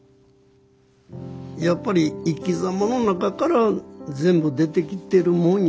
やっぱり生きざまの中から全部出てきてるもんやと思うんですよ。